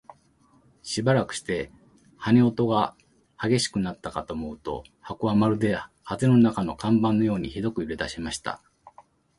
しばらくして、羽音が烈しくなったかと思うと、箱はまるで風の中の看板のようにひどく揺れだしました。